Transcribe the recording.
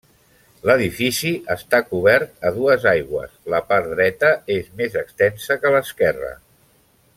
L'edifici està cobert a dues aigües, la part dreta és més extensa que l'esquerra.